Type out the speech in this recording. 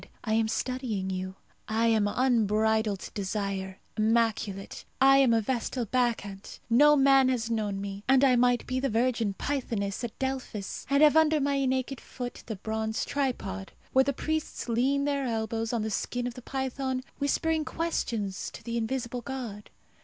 "I am studying you. I am unbridled desire, immaculate. I am a vestal bacchante. No man has known me, and I might be the virgin pythoness at Delphos, and have under my naked foot the bronze tripod, where the priests lean their elbows on the skin of the python, whispering questions to the invisible god.